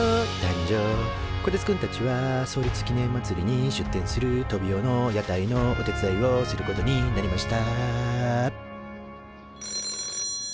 こてつくんたちは創立記念まつりに出店するトビオの屋台のお手伝いをすることになりました